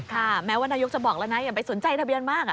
แม้ว่านายกจะบอกแล้วนะอย่าไปสนใจทะเบียนมาก